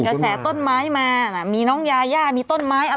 เกษต้นไม้มาน่ะมีน้องญาย่ามีต้นไม้อะไร